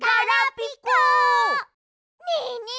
ねえねえ